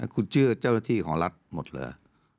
คุณเชื่อเจ้าหน้าที่ของรัฐหมดเหรอ